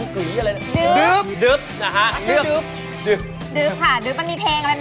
จะกระดึงกุ๋ยอะไร